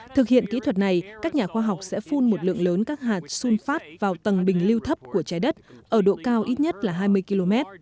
thực hiện kỹ thuật này các nhà khoa học sẽ phun một lượng lớn các hạt sun phát vào tầng bình lưu thấp của trái đất ở độ cao ít nhất là hai mươi km